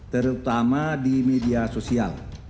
terutama di media sosial